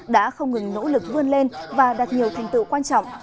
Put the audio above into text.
đã không ngừng nỗ lực vươn lên và đạt nhiều thành tựu quan trọng